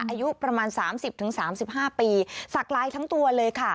อายุประมาณ๓๐๓๕ปีสักลายทั้งตัวเลยค่ะ